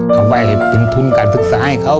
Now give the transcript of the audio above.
เขาไว้เป็นทุนการศึกษาให้เขา